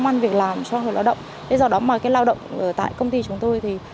công an việc làm cho người lao động do đó mà lao động tại công ty chúng tôi